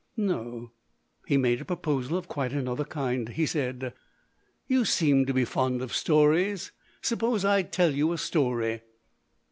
No: he made a proposal of quite another kind. He said, "You seem to be fond of stories. Suppose I tell you a story?"